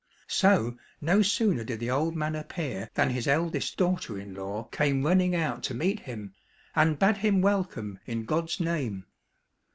So, no sooner did the old man appear than his eldest daughter in law came running out to meet him, and bade him welcome in God's name.